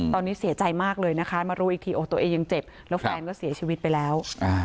ตอนนี้เสียใจมากเลยนะคะมารู้อีกทีโอ้ตัวเองยังเจ็บแล้วแฟนก็เสียชีวิตไปแล้ว